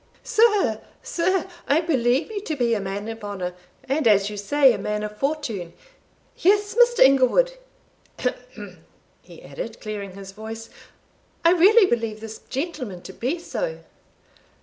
"Sir sir I believe you to be a man of honour, and, as you say, a man of fortune. Yes, Mr. Inglewood," he added, clearing his voice, "I really believe this gentleman to be so."